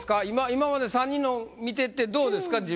今まで３人の見ててどうですか？